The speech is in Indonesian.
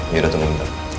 dia dateng nungguin aku